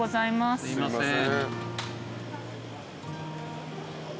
すいません。